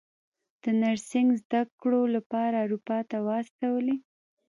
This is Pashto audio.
د نرسنګ زده کړو لپاره اروپا ته واستولې.